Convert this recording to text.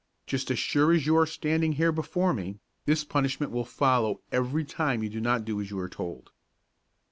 Just as sure as you are standing here before me, this punishment will follow every time you do not do as you are told."